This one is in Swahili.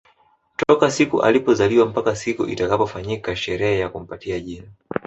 Toka siku alipozaliwa mpaka siku itakapofanyika sherehe ya kumpatia jina